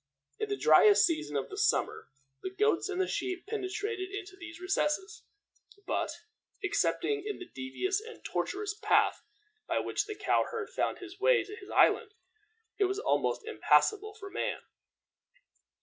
In the driest season of the summer the goats and the sheep penetrated into these recesses, but, excepting in the devious and tortuous path by which the cow herd found his way to his island, it was almost impassable for man.